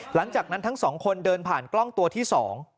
หลังจากนั้นทั้งสองคนเดินผ่านกล้องตัวที่สอง